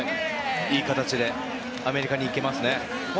いい形でアメリカに行けますね。